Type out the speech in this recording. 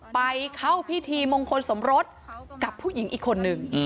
ไปเข้าพิธีมงคลสมรสกับผู้หญิงอีกคนนึง